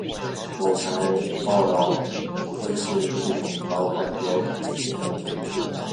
某台報導資訊系統遭害的標題